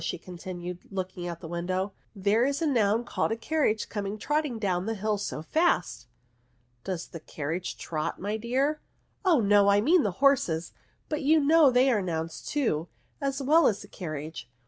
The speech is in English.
ma," continued she, looking outsat the window, '' there is a noun called a carriage coming trotting down the hill so fast !"'* Does the carriage trot, my dear?" Oh no, I mean the horses; but you know they are nouns too, as well as the car riage.